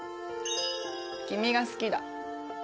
君が好きだ。